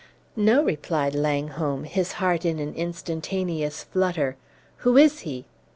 "No," replied Langholm, his heart in an instantaneous flutter. "Who is he?"